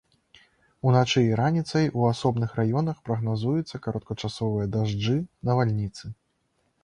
Уначы і раніцай у асобных раёнах прагназуюцца кароткачасовыя дажджы, навальніцы.